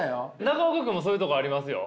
中岡君もそういうとこありますよ。